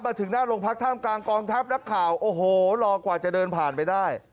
มาถึงหน้าโรงพักท่ามกลางกองทัพนักข่าวโอ้โหรอกว่าจะเดินผ่านไปได้